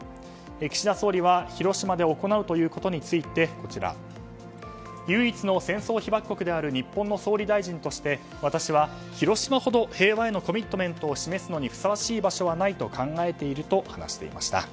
岸田総理は広島で行うということについて唯一の戦争被爆国である日本の総理大臣として私は広島ほど、平和へのコミットメントを示すのにふさわしい場所はないと考えていると話していました。